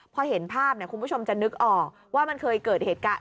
พอเห็นภาพคุณผู้ชมจะนึกออกว่ามันเคยเกิดเหตุการณ์